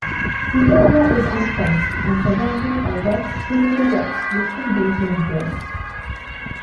The area is unfenced and surrounded by wet, slippery rocks which can be dangerous.